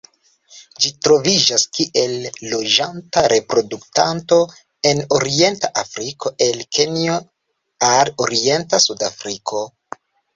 Ĝi troviĝas kiel loĝanta reproduktanto en orienta Afriko el Kenjo al orienta Sudafriko.